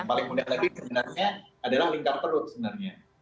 yang paling mudah lagi sebenarnya adalah lingkar perut sebenarnya